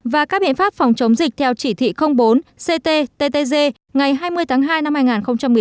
và các biện pháp phòng chống dịch theo chỉ thị bốn cttg ngày hai mươi tháng hai năm hai nghìn một mươi chín